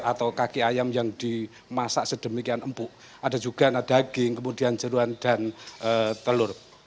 nah keistimewaan ini bisa kita lihat di dalam video ini